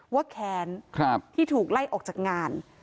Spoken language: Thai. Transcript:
ว่าแขนครับที่ถูกไล่ออกจากงาน